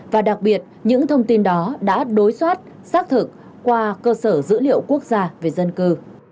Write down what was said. và đặc biệt những thông tin đó đã đối soát xác thực qua cơ sở dữ liệu quốc gia về dân cư